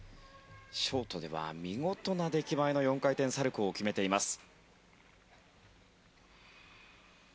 ショートでは見事な出来栄えの４回転サルコウを決めています。